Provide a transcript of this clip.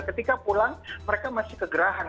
ketika pulang mereka masih kegerahan